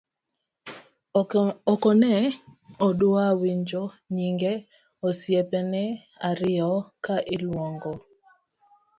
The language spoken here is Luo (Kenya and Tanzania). ok ne odwa winjo nyinge osiepene ariyo ka iluongo